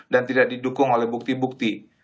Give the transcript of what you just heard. dan tidak didukung oleh bukti bukti